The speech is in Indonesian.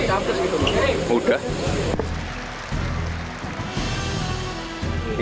ya ini enc inferior sekolah pati